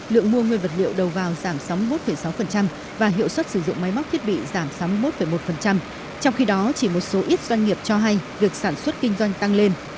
lượng mua nguyên vật liệu đầu vào giảm sóng một sáu và hiệu suất sử dụng máy móc thiết bị giảm sóng một một trong khi đó chỉ một số ít doanh nghiệp cho hay được sản xuất kinh doanh tăng lên